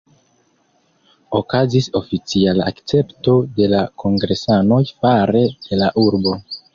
Okazis oficiala akcepto de la kongresanoj fare de la urbo.